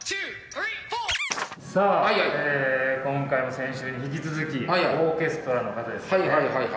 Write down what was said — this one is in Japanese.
さあ今回も先週に引き続きオーケストラの方ですね。